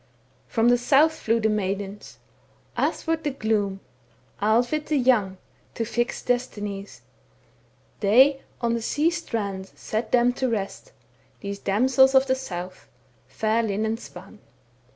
From the south flew the maidens Athwart the gloom, Alvit the young, To fix destinies; They on the sea strand Sat them to rest, These damsels of the south Fair linen spun. n.